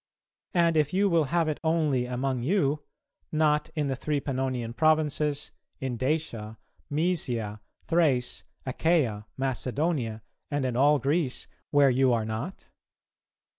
And if you will have it only among you, not in the three Pannonian provinces, in Dacia, Mœsia, Thrace, Achaia, Macedonia, and in all Greece, where you are not?